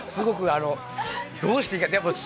どうしていいのか。